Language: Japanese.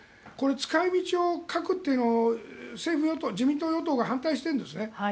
これ、使い道を書くというのを自民党、与党が反対しているんですね。